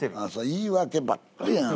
言い訳ばっかりやん。